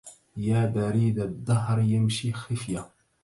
يا بريد الدهر يمشي خفية